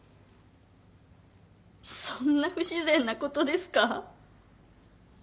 そんな不自然なことですか？